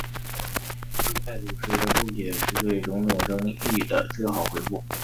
历代祖师的注解是对种种争议的最好回复。